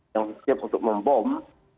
yang siap untuk membom